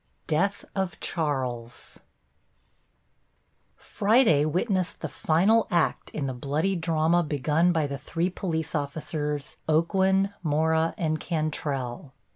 +DEATH OF CHARLES+ Friday witnessed the final act in the bloody drama begun by the three police officers, Aucoin, Mora and Cantrelle.